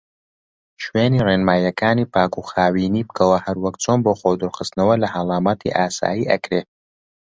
شوێنی ڕێنمایەکانی پاکوخاوینی بکەوە هەروەک چۆن بۆ خۆ دورخستنەوە لە هەڵامەتی ئاسای ئەکرێ.